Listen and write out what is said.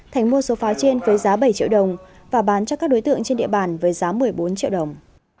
thành mua số pháo trên với giá bảy triệu đồng và bán cho các đối tượng trên địa bàn với giá một mươi bốn triệu đồng